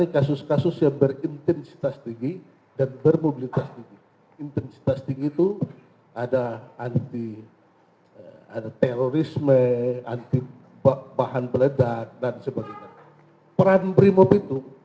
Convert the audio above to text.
kalau lihat di senjata itu ini yang dipakai